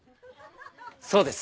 そうです。